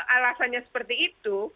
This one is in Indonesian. alasannya seperti itu